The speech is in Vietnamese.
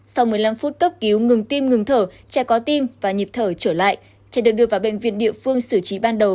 sau một mươi năm phút cấp cứu ngừng tim ngừng thở trẻ có tim và nhịp thở trở lại trẻ được đưa vào bệnh viện địa phương xử trí ban đầu